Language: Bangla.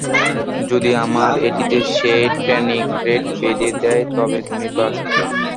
যদি আমরা এটিতে সেই টর্নিকেট বেধে দেই তবে তুমি বাচবে।